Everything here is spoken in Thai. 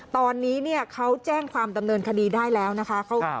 ตอนนี้เขาแจ้งความดำเนินคดีได้แล้วนะคะ